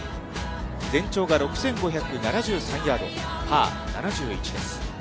全長が６５７３ヤード、パー７１です。